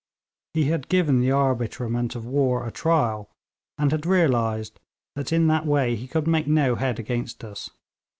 He had given the arbitrament of war a trial, and had realised that in that way he could make no head against us.